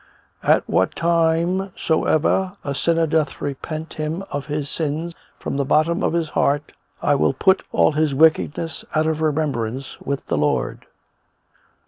" At what time soever a sinner doth repent him of his sin from the bottom of his heart, I will put all his wicked ness out of remembrance, s'aith the Lord."